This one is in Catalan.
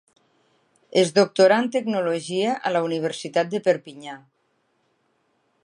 Es doctorà en teologia a la universitat de Perpinyà.